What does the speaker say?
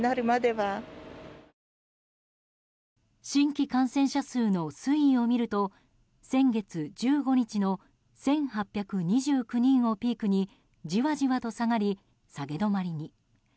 新規感染者数の推移を見ると先月１５日の１８２９人をピークにじわじわと下がり下げ止まりに。